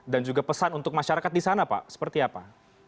dan juga pesan untuk masyarakat di sana pak seperti apa